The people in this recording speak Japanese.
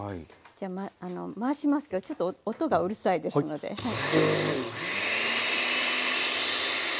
じゃあ回しますけどちょっと音がうるさいですのではい。